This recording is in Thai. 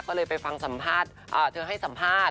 ก็เลยไปฟังสัมภาษณ์เธอให้สัมภาษณ์